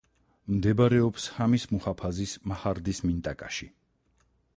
მდებარეობს ჰამის მუჰაფაზის მაჰარდის მინტაკაში.